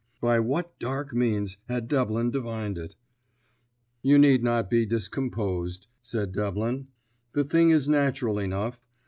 By what dark means had Devlin divined it? "You need not be discomposed," said Devlin. "The thing is natural enough.